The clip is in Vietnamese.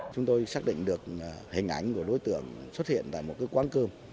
chúng tôi xác định được hình ảnh của đối tượng xuất hiện tại một quán cơm